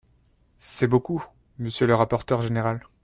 C’est beaucoup, monsieur le rapporteur général.